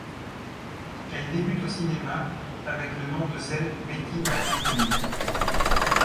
Elle débute au cinéma avec le nom de scène Betty McLaughlin.